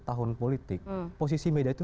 tahun politik posisi media itu